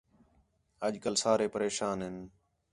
اَڄ کل سارے پریشان ھین